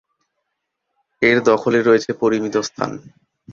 এর দখলে রয়েছে পরিমিত স্থান।